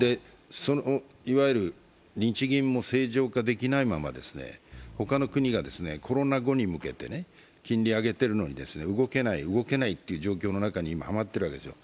いわゆる日銀も正常化できないまま他の国がコロナ後に向けて金利を上げているのに動けない、動けないという状況の中に今、はまっているわけですよ。